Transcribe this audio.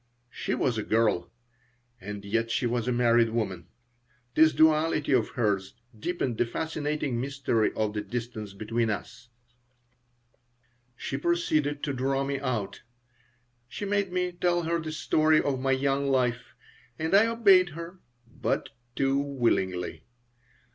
She was a girl, and yet she was a married woman. This duality of hers deepened the fascinating mystery of the distance between us She proceeded to draw me out. She made me tell her the story of my young life, and I obeyed her but too willingly.